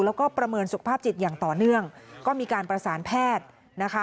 แล้วก็ประเมินสุขภาพจิตอย่างต่อเนื่องก็มีการประสานแพทย์นะคะ